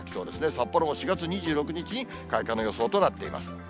札幌も４月２６日に開花の予想となっています。